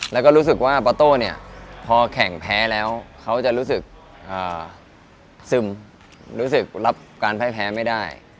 แล้วก็รู้สึกว่าปอโต้เนี่ยพอแข่งแพ้แล้วเขาจะรู้สึกซึมรู้สึกรับการพ่ายแพ้ไม่ได้